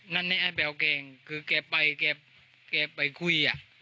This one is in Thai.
นั่นนี่แอบแบวแกงคือแกไปคุยอ่ะ